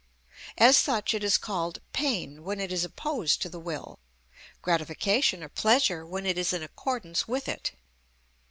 As such it is called pain when it is opposed to the will; gratification or pleasure when it is in accordance with it.